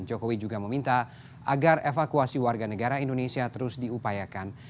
jokowi juga meminta agar evakuasi warga negara indonesia terus diupayakan